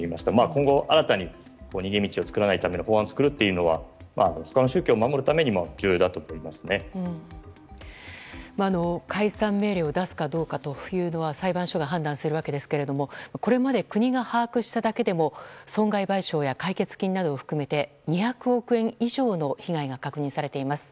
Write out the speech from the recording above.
今後新たに逃げ道を作らないための法案を作るというのは他の宗教を守るためにも解散命令を出すかどうかは裁判所が判断するわけですがこれまで国が把握しただけでも損害賠償や解決金などを含めて２００億円以上の被害が確認されています。